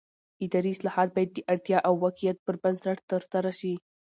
اداري اصلاحات باید د اړتیا او واقعیت پر بنسټ ترسره شي